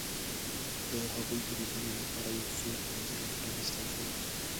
د هغوی د روزنې لپاره یو څو ښوونځي هم پرانستل شول.